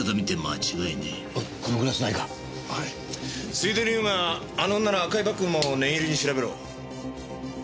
ついでに言うがあの女の赤いバッグも念入りに調べろ。